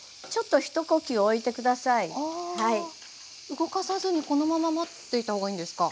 動かさずにこのまま待っていた方がいいんですか？